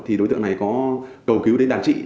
thì đối tượng này có cầu cứu đến đàn trị